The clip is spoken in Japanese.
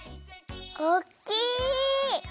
おっきい！